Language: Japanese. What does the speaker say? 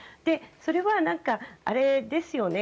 それは、あれですよね